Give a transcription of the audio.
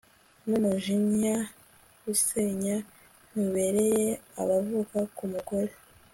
n'umujinya usenya ntubereye abavuka ku mugore